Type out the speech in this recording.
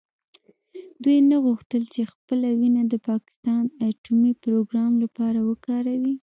دوی نه غوښتل چې خپله وینه د پاکستان اټومي پروګرام لپاره وکاروي.